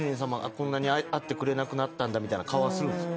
こんなに会ってくれなくなったんだって顔するんですか？